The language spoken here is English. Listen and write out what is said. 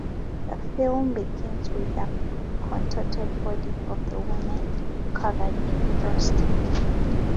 The film begins with the contorted body of the woman, covered in frost.